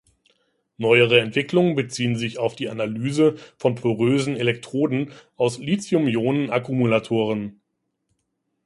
Neuere Entwicklungen beziehen sich auf die Analyse von porösen Elektroden aus Lithium-Ionen-Akkumulatoren.